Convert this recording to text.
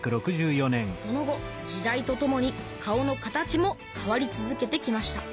その後時代とともに顔の形も変わり続けてきました。